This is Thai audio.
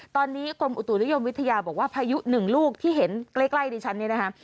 ตอนนี้กรมอุตุนิยมวิทยาบอกว่าพายุหนึ่งลูกที่เห็นใกล้ดิฉันเนี่ยนะคะ